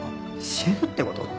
シェフってこと？